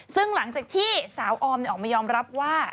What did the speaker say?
ซึ่งหลังจากที่สาวออมออกมายอมรับว่า